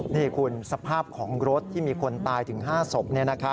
นี่คุณสภาพของรถที่มีคนตายถึง๕ศพ